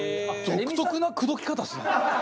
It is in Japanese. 独特な口説き方ですね。